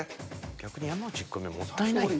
逆に山内１個目もったいない。